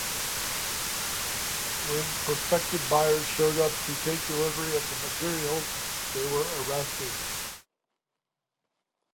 When prospective buyers showed up to take delivery of the material, they were arrested.